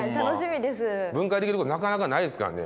分解できることなかなかないですからね。